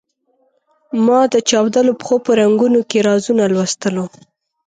ما د چاودلو پښو په رنګونو کې رازونه لوستلو.